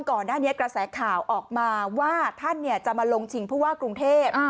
ก่อนหน้านี้กระแสข่าวออกมาว่าท่านจะมาลงชิงผู้ว่ากรุงเทพ